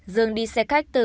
dương đi xe khách từ